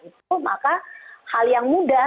itu maka hal yang mudah